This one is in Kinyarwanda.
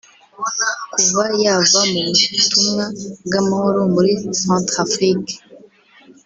Kuva yava mu butumwa bw’amahoro muri Centrafrique